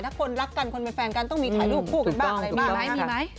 ถ้าคนรักกันคนเป็นแฟนกันต้องมีถ่ายรูปคู่กันบ้างอะไรบ้างไหมมีไหม